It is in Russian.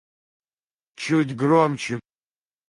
Чуть громче